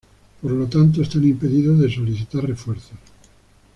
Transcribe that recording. Por lo tanto, están impedidos de solicitar refuerzos.